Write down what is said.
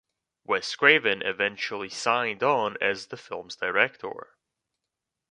Wes Craven eventually signed on as the film's director.